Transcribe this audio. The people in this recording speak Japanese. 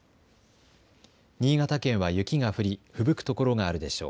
新潟県は雪が降り、ふぶく所があるでしょう。